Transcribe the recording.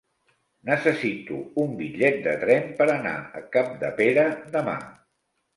Necessito un bitllet de tren per anar a Capdepera demà.